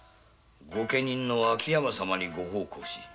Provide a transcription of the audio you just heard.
御家人の秋山様にご奉公。